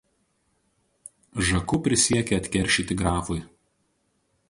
Žaku prisiekia atkeršyti grafui.